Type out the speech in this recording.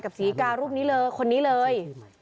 ศรีการูปนี้เลยคนนี้เลย